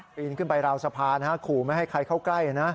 ปีนขึ้นไปราวสะพานขู่ไม่ให้ใครเข้าใกล้นะ